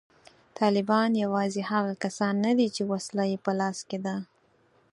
طالبان یوازې هغه کسان نه دي چې وسله یې په لاس کې ده